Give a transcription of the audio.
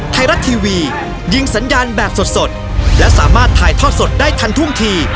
ไทยรัฐทีวียิงสัญญาณแบบสดและสามารถถ่ายทอดสดได้ทันท่วงที